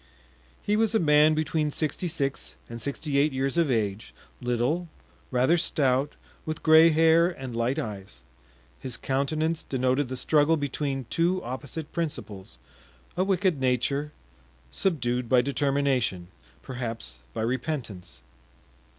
He was a man between sixty six and sixty eight years of age, little, rather stout, with gray hair and light eyes. His countenance denoted the struggle between two opposite principles—a wicked nature, subdued by determination, perhaps by repentance.